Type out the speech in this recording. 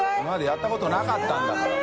泙やったことなかったんだから。